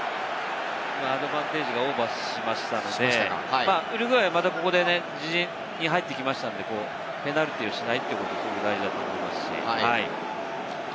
アドバンテージがオーバーしたので、ウルグアイはまたここで自陣に入ってきたのでペナルティーをしないということが大事ですね。